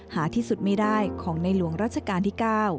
หาที่สุดไม่ได้ของในหลวงรัชกาลที่๙